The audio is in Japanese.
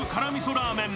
ラーメン